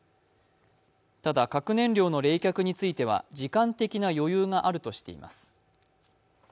ただ核燃料の冷却については、時間的な余裕があるとしています